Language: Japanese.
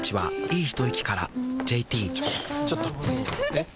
えっ⁉